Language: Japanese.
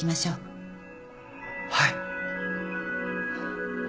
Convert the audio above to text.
はい。